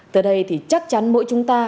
từ đây thì chắc chắn mỗi chúng ta